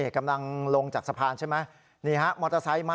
กำลังลงจากสะพานใช่ไหม